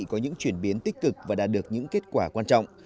có những chuyển biến tích cực và đạt được những kết quả quan trọng